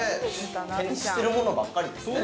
◆知ってるものばっかりですね。